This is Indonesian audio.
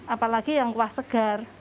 apalagi yang kuah segar